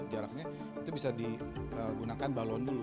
jaraknya itu bisa digunakan balon dulu